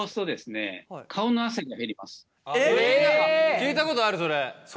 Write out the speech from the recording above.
聞いたことあるそれ。